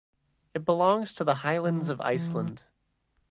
It belongs to the Highlands of Iceland.